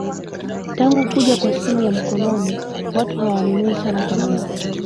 Tangu kuja kwa simu ya mkononi watu hawanunui sana kamera